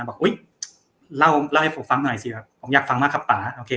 บอกอุ๊ยเล่าให้ผมฟังหน่อยสิครับผมอยากฟังมากครับป่าโอเค